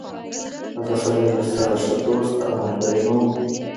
هغه سړی له سره ښه دوست او ملګری نه و.